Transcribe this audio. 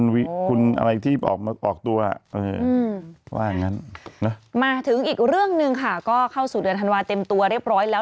ว่าอะไรที่ออกมาออกว่างั้นมาถึงอีกเรื่องนึงค่ะก็เข้าสู่เดือนธันวาคมเต็มตัวเรียบร้อยแล้ว